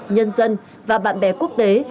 nhân dân và bạn bè quốc tế